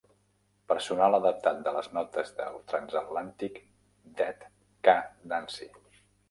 Personal adaptat de les notes del transatlàntic "Dead Ca Dansi".